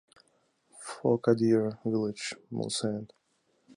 Foucaudière Village, Mulsanne